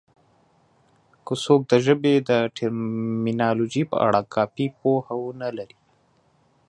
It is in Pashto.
که څوک د ژبې د ټرمینالوژي په اړه کافي پوهه ونه لري